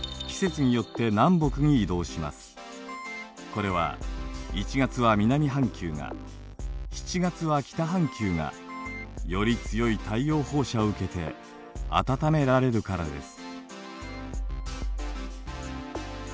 これは１月は南半球が７月は北半球がより強い太陽放射を受けて暖められるからです。